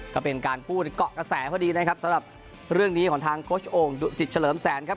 ก็เป็นการพูดเกาะกระแสพอดีนะครับสำหรับเรื่องนี้ของทางโค้ชโอ่งดุสิตเฉลิมแสนครับ